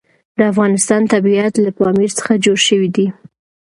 د افغانستان طبیعت له پامیر څخه جوړ شوی دی.